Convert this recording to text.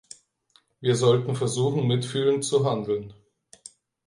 Wir sollten versuchen, mitfühlend zu handeln.